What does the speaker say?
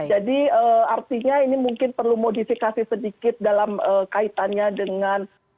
jadi artinya ini mungkin perlu modifikasi sedikit dalam kaitannya dengan